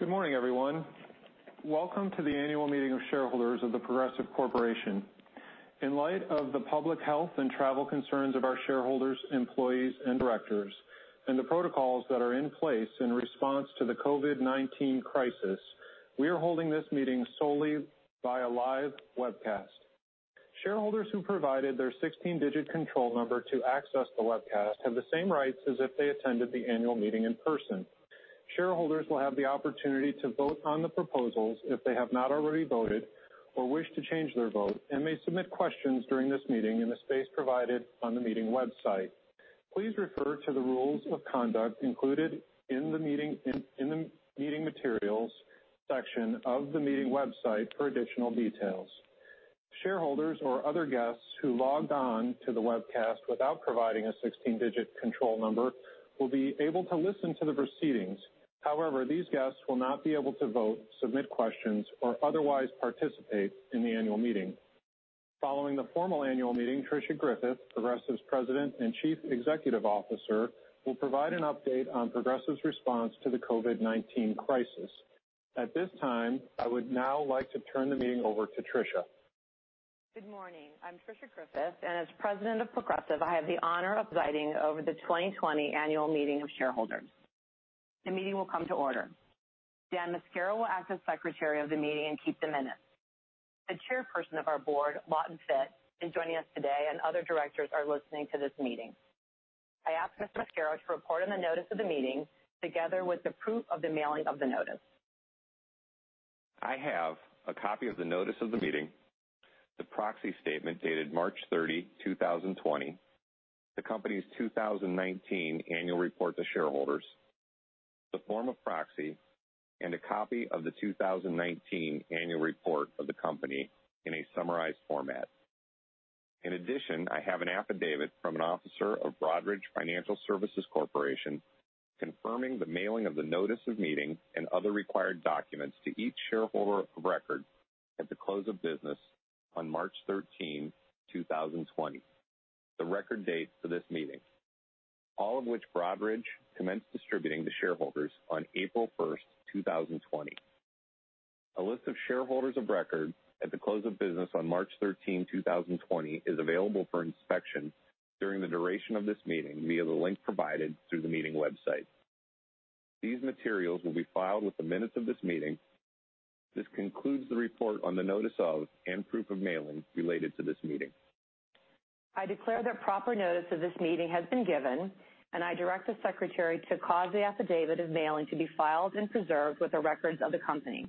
Good morning, everyone. Welcome to the annual meeting of shareholders of The Progressive Corporation. In light of the public health and travel concerns of our shareholders, employees, and directors, and the protocols that are in place in response to the COVID-19 crisis, we are holding this meeting solely via live webcast. Shareholders who provided their 16-digit control number to access the webcast have the same rights as if they attended the annual meeting in person. Shareholders will have the opportunity to vote on the proposals if they have not already voted or wish to change their vote and may submit questions during this meeting in the space provided on the meeting website. Please refer to the rules of conduct included in the meeting materials section of the meeting website for additional details. Shareholders or other guests who logged on to the webcast without providing a 16-digit control number will be able to listen to the proceedings. These guests will not be able to vote, submit questions, or otherwise participate in the annual meeting. Following the formal annual meeting, Tricia Griffith, Progressive's President and Chief Executive Officer, will provide an update on Progressive's response to the COVID-19 crisis. At this time, I would now like to turn the meeting over to Tricia. Good morning. I'm Tricia Griffith, and as President of Progressive, I have the honor of presiding over the 2020 annual meeting of shareholders. The meeting will come to order. Dan Mascaro will act as Secretary of the meeting and keep the minutes. The Chairperson of our board, Lawton Fitt, is joining us today, and other directors are listening to this meeting. I ask Mr. Mascaro to report on the notice of the meeting, together with the proof of the mailing of the notice. I have a copy of the notice of the meeting, the proxy statement dated March 30, 2020, the company's 2019 annual report to shareholders, the form of proxy, and a copy of the 2019 annual report of the company in a summarized format. In addition, I have an affidavit from an officer of Broadridge Financial Solutions, Inc. confirming the mailing of the notice of meeting and other required documents to each shareholder of record at the close of business on March 13, 2020, the record date for this meeting, all of which Broadridge commenced distributing to shareholders on April 1st, 2020. A list of shareholders of record at the close of business on March 13, 2020, is available for inspection during the duration of this meeting via the link provided through the meeting website. These materials will be filed with the minutes of this meeting. This concludes the report on the notice of and proof of mailing related to this meeting. I declare that proper notice of this meeting has been given. I direct the Secretary to cause the affidavit of mailing to be filed and preserved with the records of the company.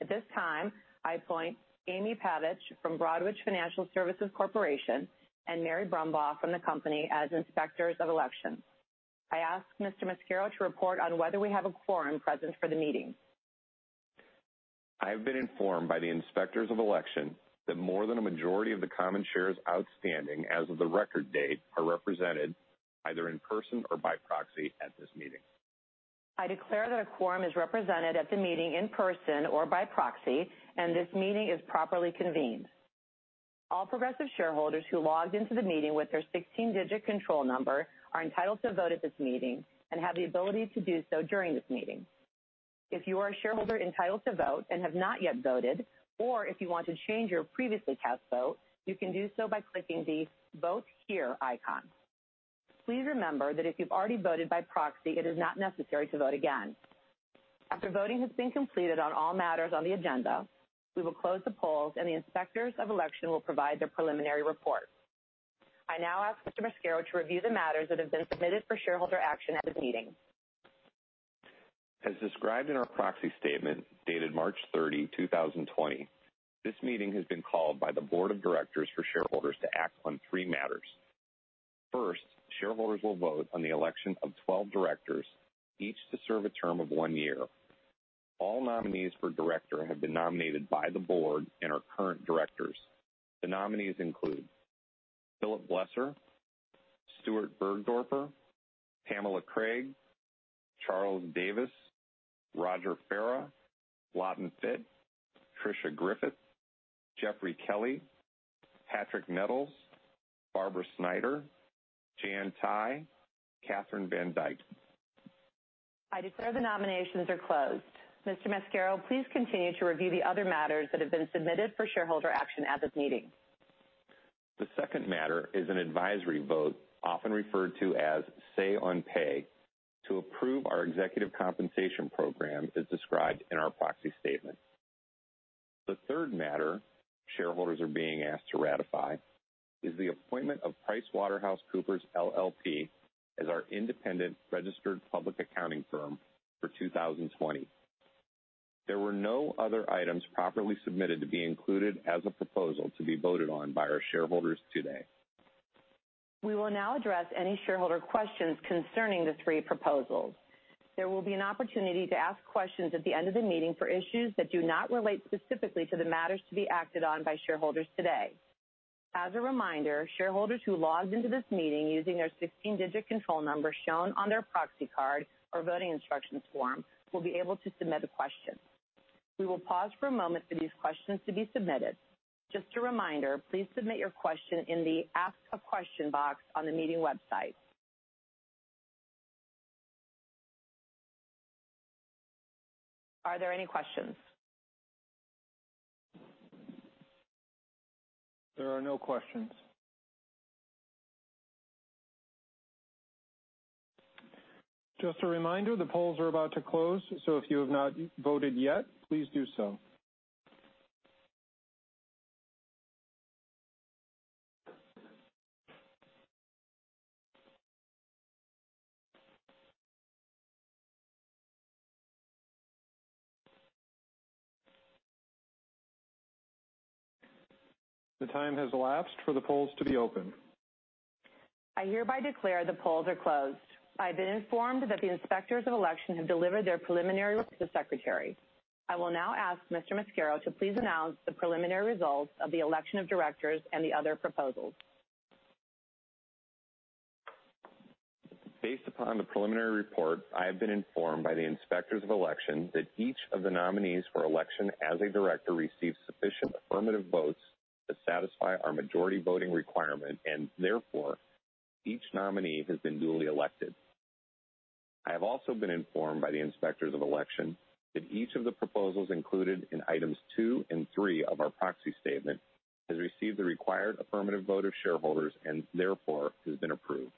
At this time, I appoint Amy Pavich from Broadridge Financial Solutions, Inc. and Mary Brumbaugh from the company as inspectors of election. I ask Mr. Mascaro to report on whether we have a quorum present for the meeting. I have been informed by the inspectors of election that more than a majority of the common shares outstanding as of the record date are represented either in person or by proxy at this meeting. I declare that a quorum is represented at the meeting in person or by proxy. This meeting is properly convened. All Progressive shareholders who logged into the meeting with their 16-digit control number are entitled to vote at this meeting and have the ability to do so during this meeting. If you are a shareholder entitled to vote and have not yet voted, or if you want to change your previously cast vote, you can do so by clicking the Vote Here icon. Please remember that if you've already voted by proxy, it is not necessary to vote again. After voting has been completed on all matters on the agenda, we will close the polls, and the inspectors of election will provide their preliminary report. I now ask Mr. Mascaro to review the matters that have been submitted for shareholder action at this meeting. As described in our proxy statement dated March 30, 2020, this meeting has been called by the board of directors for shareholders to act on three matters. First, shareholders will vote on the election of 12 directors, each to serve a term of one year. All nominees for director have been nominated by the board and are current directors. The nominees include Philip Bleser, Stuart Burgdoerfer, Pamela Craig, Charles Davis, Roger Farah, Lawton Fitt, Tricia Griffith, Jeffrey Kelly, Patrick Nettles, Barbara Snyder, Jan Tighe, Kahina Van Dyke. I declare the nominations are closed. Mr. Mascaro, please continue to review the other matters that have been submitted for shareholder action at this meeting. The second matter is an advisory vote, often referred to as say on pay, to approve our executive compensation program as described in our proxy statement. The third matter shareholders are being asked to ratify is the appointment of PricewaterhouseCoopers, LLP, as our independent registered public accounting firm for 2020. There were no other items properly submitted to be included as a proposal to be voted on by our shareholders today. We will now address any shareholder questions concerning the three proposals. There will be an opportunity to ask questions at the end of the meeting for issues that do not relate specifically to the matters to be acted on by shareholders today. As a reminder, shareholders who logged into this meeting using their 16-digit control number shown on their proxy card or voting instructions form will be able to submit a question. We will pause for a moment for these questions to be submitted. Just a reminder, please submit your question in the Ask a Question box on the meeting website. Are there any questions? There are no questions. Just a reminder, the polls are about to close, so if you have not voted yet, please do so. The time has elapsed for the polls to be open. I hereby declare the polls are closed. I've been informed that the Inspectors of Election have delivered their preliminary report to the Secretary. I will now ask Mr. Mascaro to please announce the preliminary results of the election of directors and the other proposals. Based upon the preliminary report, I have been informed by the Inspectors of Election that each of the nominees for election as a director received sufficient affirmative votes to satisfy our majority voting requirement, and therefore, each nominee has been duly elected. I have also been informed by the Inspectors of Election that each of the proposals included in items 2 and 3 of our proxy statement has received the required affirmative vote of shareholders, and therefore has been approved.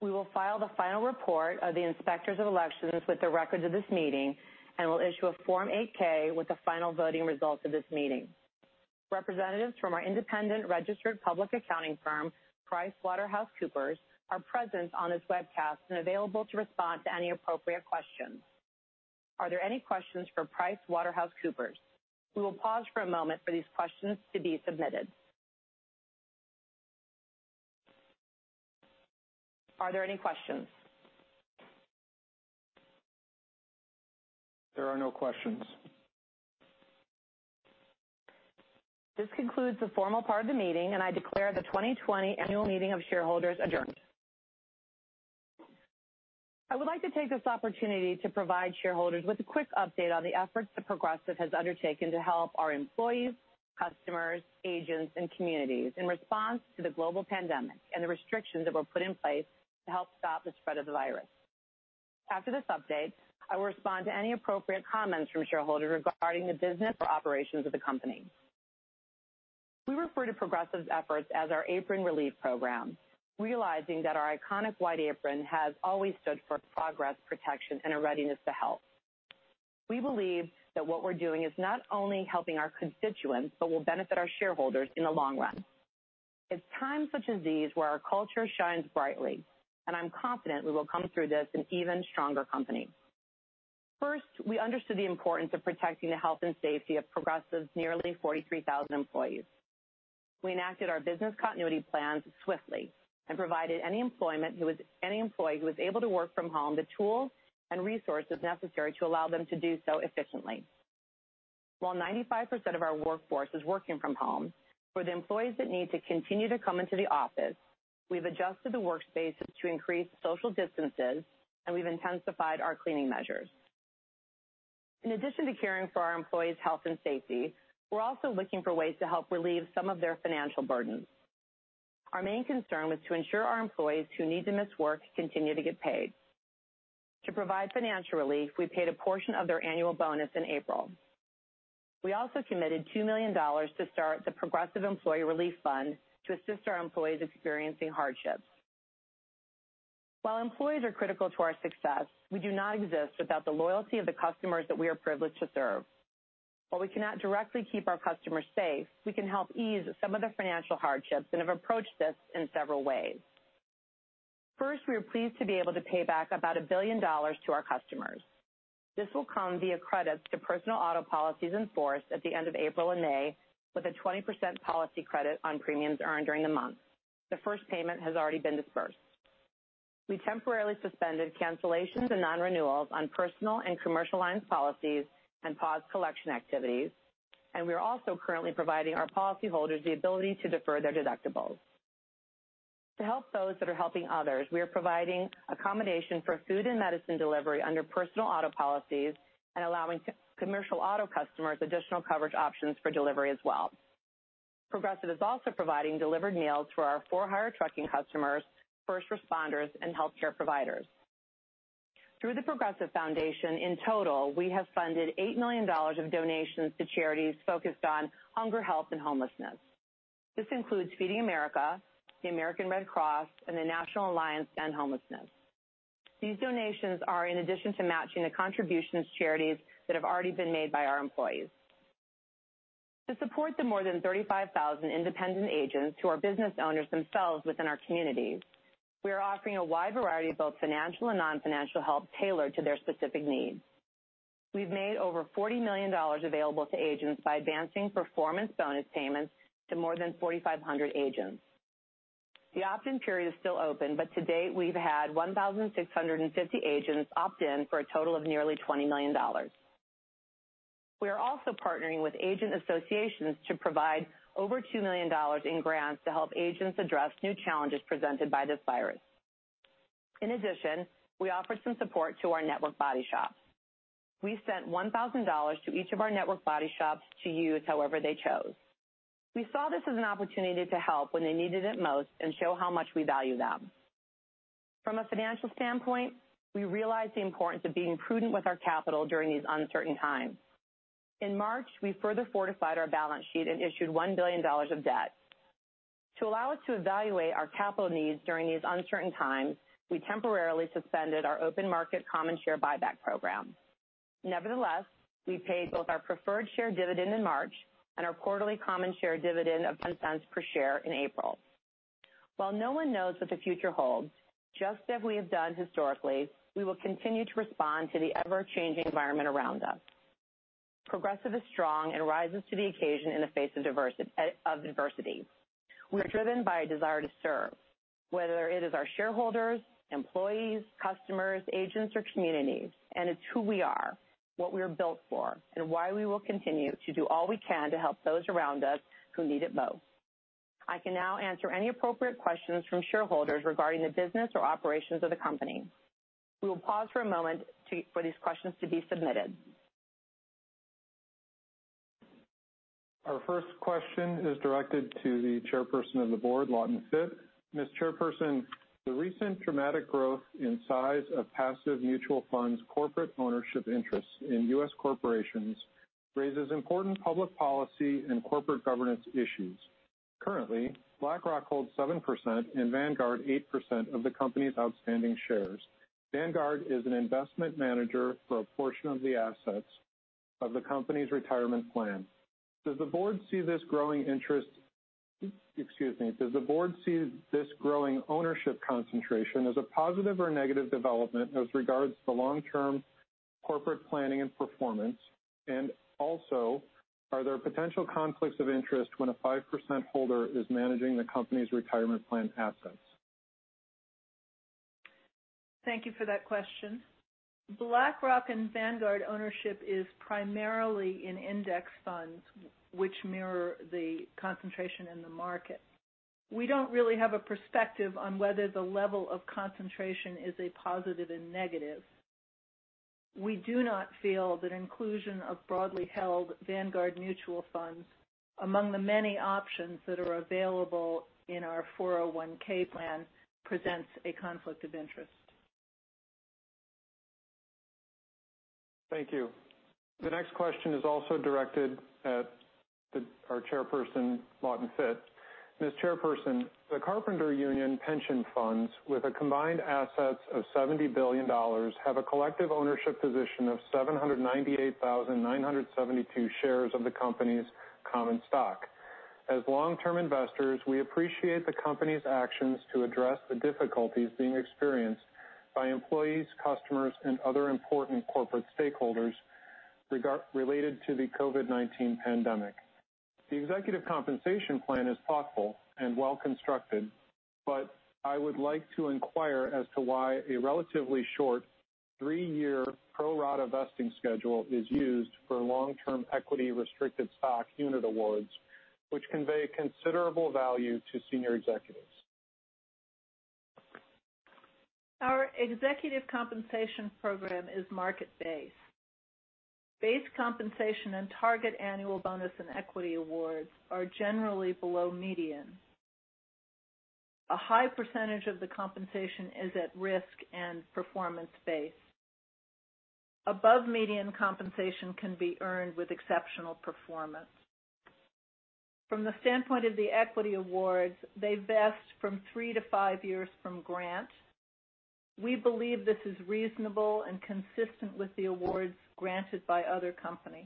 We will file the final report of the Inspectors of Election with the records of this meeting and will issue a Form 8-K with the final voting results of this meeting. Representatives from our independent registered public accounting firm, PricewaterhouseCoopers, are present on this webcast and available to respond to any appropriate questions. Are there any questions for PricewaterhouseCoopers? We will pause for a moment for these questions to be submitted. Are there any questions? There are no questions. This concludes the formal part of the meeting, I declare the 2020 Annual Meeting of Shareholders adjourned. I would like to take this opportunity to provide shareholders with a quick update on the efforts that Progressive has undertaken to help our employees, customers, agents, and communities in response to the global pandemic and the restrictions that were put in place to help stop the spread of the virus. After this update, I will respond to any appropriate comments from shareholders regarding the business or operations of the company. We refer to Progressive's efforts as our Apron Relief Program, realizing that our iconic white apron has always stood for progress, protection, and a readiness to help. We believe that what we're doing is not only helping our constituents, but will benefit our shareholders in the long run. It's times such as these where our culture shines brightly, I'm confident we will come through this an even stronger company. First, we understood the importance of protecting the health and safety of Progressive's nearly 43,000 employees. We enacted our business continuity plans swiftly provided any employee who was able to work from home the tools and resources necessary to allow them to do so efficiently. While 95% of our workforce is working from home, for the employees that need to continue to come into the office, we've adjusted the workspace to increase social distances, we've intensified our cleaning measures. In addition to caring for our employees' health and safety, we're also looking for ways to help relieve some of their financial burdens. Our main concern was to ensure our employees who need to miss work continue to get paid. To provide financial relief, we paid a portion of their annual bonus in April. We also committed $2 million to start the Progressive Employee Relief Fund to assist our employees experiencing hardships. While employees are critical to our success, we do not exist without the loyalty of the customers that we are privileged to serve. While we cannot directly keep our customers safe, we can help ease some of the financial hardships and have approached this in several ways. First, we are pleased to be able to pay back about $1 billion to our customers. This will come via credits to personal auto policies in force at the end of April and May, with a 20% policy credit on premiums earned during the month. The first payment has already been disbursed. We temporarily suspended cancellations and nonrenewals on personal and commercial lines policies and paused collection activities. We are also currently providing our policyholders the ability to defer their deductibles. To help those that are helping others, we are providing accommodation for food and medicine delivery under personal auto policies and allowing commercial auto customers additional coverage options for delivery as well. Progressive is also providing delivered meals for our for-hire trucking customers, first responders, and healthcare providers. Through the Progressive Foundation, in total, we have funded $8 million of donations to charities focused on hunger, health, and homelessness. This includes Feeding America, the American Red Cross, and the National Alliance to End Homelessness. These donations are in addition to matching the contributions to charities that have already been made by our employees. To support the more than 35,000 independent agents who are business owners themselves within our communities, we are offering a wide variety of both financial and nonfinancial help tailored to their specific needs. We've made over $40 million available to agents by advancing performance bonus payments to more than 4,500 agents. To date, we've had 1,650 agents opt in for a total of nearly $20 million. We are also partnering with agent associations to provide over $2 million in grants to help agents address new challenges presented by this virus. In addition, we offered some support to our network body shops. We sent $1,000 to each of our network body shops to use however they chose. We saw this as an opportunity to help when they needed it most and show how much we value them. From a financial standpoint, we realized the importance of being prudent with our capital during these uncertain times. In March, we further fortified our balance sheet and issued $1 billion of debt. To allow us to evaluate our capital needs during these uncertain times, we temporarily suspended our open market common share buyback program. Nevertheless, we paid both our preferred share dividend in March and our quarterly common share dividend of $0.10 per share in April. While no one knows what the future holds, just as we have done historically, we will continue to respond to the ever-changing environment around us. Progressive is strong and rises to the occasion in the face of adversity. We're driven by a desire to serve, whether it is our shareholders, employees, customers, agents, or communities. It's who we are, what we're built for, and why we will continue to do all we can to help those around us who need it most. I can now answer any appropriate questions from shareholders regarding the business or operations of the company. We will pause for a moment for these questions to be submitted. Our first question is directed to the Chairperson of the Board, Lawton Fitt. Ms. Chairperson, the recent dramatic growth in size of passive mutual funds corporate ownership interests in U.S. corporations raises important public policy and corporate governance issues. Currently, BlackRock holds 7% and Vanguard 8% of the company's outstanding shares. Vanguard is an investment manager for a portion of the assets of the company's retirement plan. Does the board see this growing ownership concentration as a positive or negative development as regards to long-term corporate planning and performance? Also, are there potential conflicts of interest when a 5% holder is managing the company's retirement plan assets? Thank you for that question. BlackRock and Vanguard ownership is primarily in index funds, which mirror the concentration in the market. We don't really have a perspective on whether the level of concentration is a positive and negative. We do not feel that inclusion of broadly held Vanguard mutual funds among the many options that are available in our 401 plan presents a conflict of interest. Thank you. The next question is also directed at our Chairperson, Lawton Fitt. Ms. Chairperson, the carpenter union pension funds, with a combined assets of $70 billion, have a collective ownership position of 798,972 shares of the company's common stock. As long-term investors, we appreciate the company's actions to address the difficulties being experienced by employees, customers, and other important corporate stakeholders related to the COVID-19 pandemic. The executive compensation plan is thoughtful and well-constructed. I would like to inquire as to why a relatively short three-year pro rata vesting schedule is used for long-term equity restricted stock unit awards, which convey considerable value to senior executives. Our executive compensation program is market-based. Base compensation and target annual bonus and equity awards are generally below median. A high percentage of the compensation is at risk and performance-based. Above median compensation can be earned with exceptional performance. From the standpoint of the equity awards, they vest from three to five years from grant. We believe this is reasonable and consistent with the awards granted by other companies.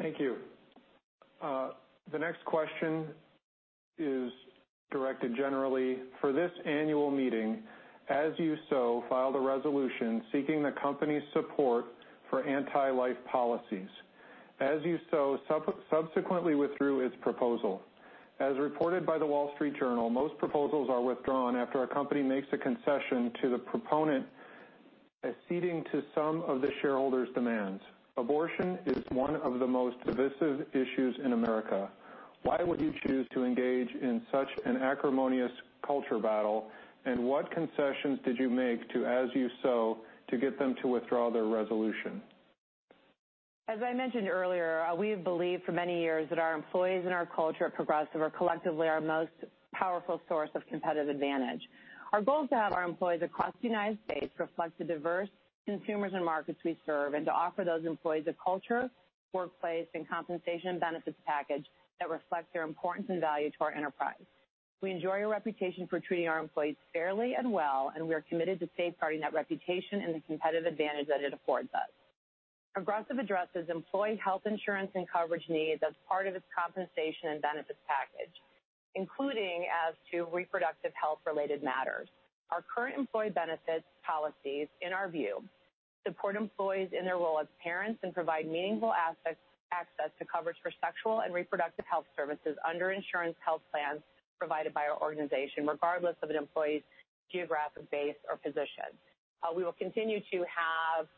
Thank you. The next question is directed generally. For this annual meeting, As You Sow filed a resolution seeking the company's support for anti-life policies. As You Sow subsequently withdrew its proposal. As reported by The Wall Street Journal, most proposals are withdrawn after a company makes a concession to the proponent, acceding to some of the shareholders' demands. Abortion is one of the most divisive issues in America. Why would you choose to engage in such an acrimonious culture battle, and what concessions did you make to As You Sow to get them to withdraw their resolution? As I mentioned earlier, we have believed for many years that our employees and our culture at Progressive are collectively our most powerful source of competitive advantage. Our goal is to have our employees across the U.S. reflect the diverse consumers and markets we serve, and to offer those employees a culture, workplace, and compensation benefits package that reflects their importance and value to our enterprise. We enjoy a reputation for treating our employees fairly and well, and we are committed to safeguarding that reputation and the competitive advantage that it affords us. Progressive addresses employee health insurance and coverage needs as part of its compensation and benefits package, including as to reproductive health-related matters. Our current employee benefits policies, in our view, support employees in their role as parents and provide meaningful access to coverage for sexual and reproductive health services under insurance health plans provided by our organization, regardless of an employee's geographic base or position. We will continue to have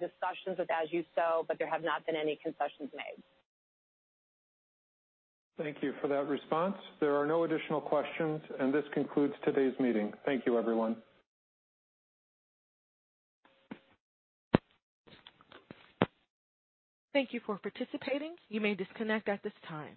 discussions with As You Sow, there have not been any concessions made. Thank you for that response. There are no additional questions, this concludes today's meeting. Thank you, everyone. Thank you for participating. You may disconnect at this time.